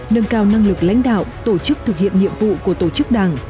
nâng cao năng lực lãnh đạo tổ chức thực hiện nhiệm vụ của tổ chức đảng